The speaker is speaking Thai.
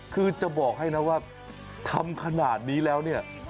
คือจะบอกให้นะว่าทำขนาดนี้แล้วเนี่ย